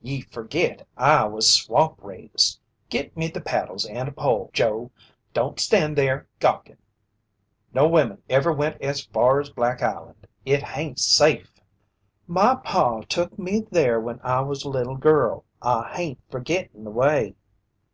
"Ye forgit I was swamp raised! Git me the paddles and a pole, Joe. Don't stand there gawkin'." "No wimmin ever went as far as Black Island. It hain't safe!" "My Paw took me there when I was a little girl. I hain't forgittin' the way."